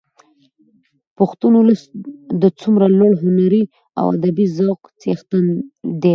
پښتون ولس د څومره لوړ هنري او ادبي ذوق څښتن دي.